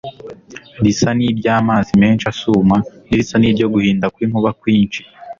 risa n'iry'amazi menshi asuma n'irisa n'iryo guhinda kw'inkuba kwinshi